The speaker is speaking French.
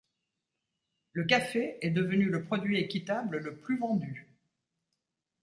Le café est devenu le produit équitable le plus vendu.